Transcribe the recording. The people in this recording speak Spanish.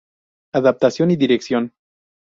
Adaptación y dirección.